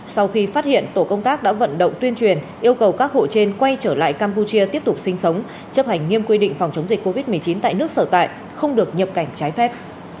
sau khi phát hiện tổ công tác đã vận động tuyên truyền yêu cầu các hộ trên quay trở lại campuchia tiếp tục sinh sống chấp hành nghiêm quy định phòng chống dịch covid một mươi chín tại nước sở tại không được nhập cảnh trái phép